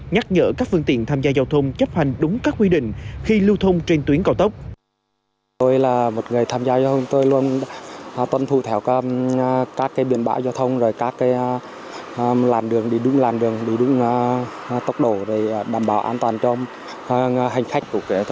nhắc nhở các phương tiện tham gia giao thông chấp hành đúng các quy định khi lưu thông trên tuyến cao tốc